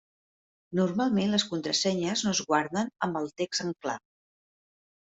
Normalment les contrasenyes no es guarden amb el text en clar.